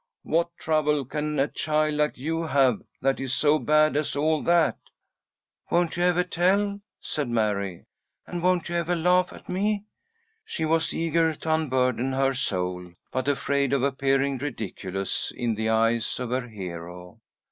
"What trouble can a child like you have, that is so bad as all that?" "Won't you ever tell?" said Mary, "and won't you ever laugh at me?" She was eager to unburden her soul, but afraid of appearing ridiculous in the eyes of her hero.